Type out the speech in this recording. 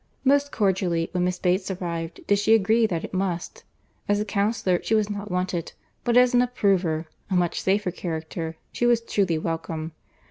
Most cordially, when Miss Bates arrived, did she agree that it must. As a counsellor she was not wanted; but as an approver, (a much safer character,) she was truly welcome.